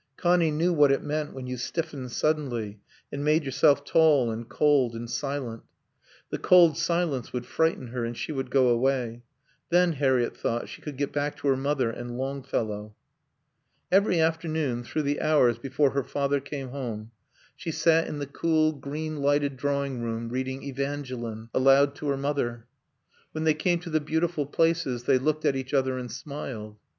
Connie knew what it meant when you stiffened suddenly and made yourself tall and cold and silent. The cold silence would frighten her and she would go away. Then, Harriett thought, she could get back to her mother and Longfellow. Every afternoon, through the hours before her father came home, she sat in the cool, green lighted drawing room reading Evangeline aloud to her mother. When they came to the beautiful places they looked at each other and smiled.